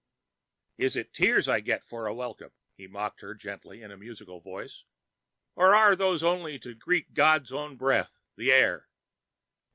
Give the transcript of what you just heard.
"Is it tears I get for a welcome?" he mocked her gently in a musical voice. "Or are those only to greet God's own breath, the air?"